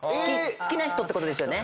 好きな人ってことですよね？